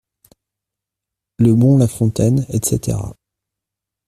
Le bon La Fontaine, Etc.